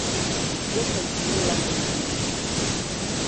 Je to dílem lidí.